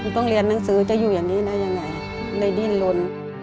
ต้องเรียนหนังสือจะอยู่อย่างนี้ได้ยังไงเลยดิ้นลน